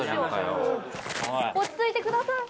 落ち着いてください！